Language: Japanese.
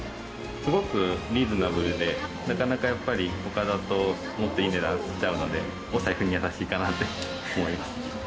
すごくリーズナブルでなかなかやっぱり、ほかだともっといい値段しちゃうので、お財布に優しいかなって思います。